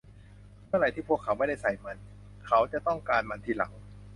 เมื่อไหร่ที่พวกเขาไม่ได้ใส่มัน เขาจะต้องการมันทีหลัง